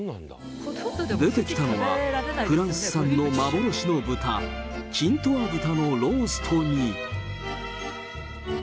出てきたのは、フランス産の幻の豚、キントア豚のローストに。